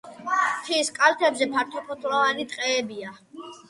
მთის კალთებზე ფართოფოთლოვანი ტყეებია.